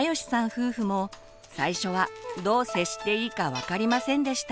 夫婦も最初はどう接していいか分かりませんでした。